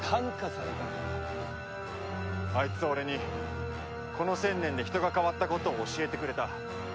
あいつは俺にこの１０００年で人が変わったことを教えてくれた。